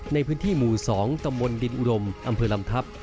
ในพื้นที่หมู่๒ตำบลดินอุดมอำเภอลำทัพ